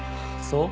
そう？